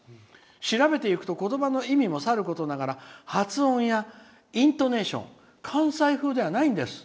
調べていくと言葉の意味もさることながら発音やイントネーション関西風ではないんです」。